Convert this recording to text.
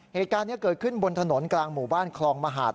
เหตุการณ์นี้เกิดขึ้นบนถนนกลางหมู่บ้านคลองมหาด